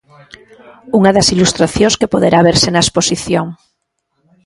Unha das ilustracións que poderá verse na exposición.